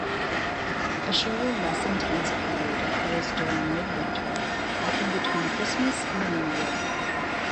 A shorter, less-intense period occurs during mid-winter, often between Christmas and the new year.